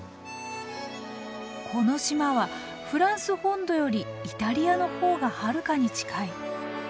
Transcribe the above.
この島はフランス本土よりイタリアの方がはるかに近い。